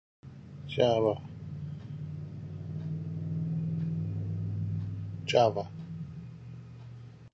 Jiva!